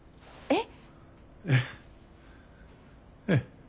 えっ？